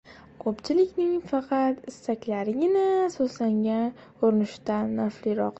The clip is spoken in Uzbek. ko‘pchilikning faqat istaklargagina asoslangan urinishidan nafliroqdir.